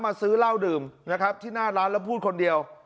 ซื้อเหล้าดื่มนะครับที่หน้าร้านแล้วพูดคนเดียว